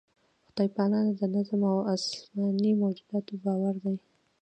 خدای پالنه د نظم او اسماني موجوداتو باور دی.